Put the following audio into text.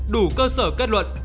đủ cơ sở kết luận